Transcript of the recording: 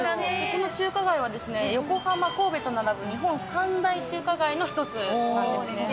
この中華街は横浜、神戸と並ぶ日本三大中華街の一つなんですね。